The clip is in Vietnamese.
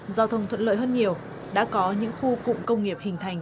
giao thông thuận lợi hơn nhiều đã có những khu cụm công nghiệp hình thành